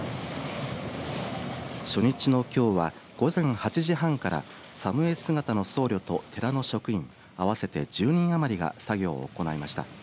初日のきょうは、午前８時半からさむえ姿の僧侶と寺の職員合わせて１０人余りが作業を行いました。